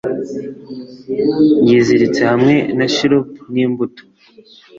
yiziritse hamwe na chirrup n'imbuto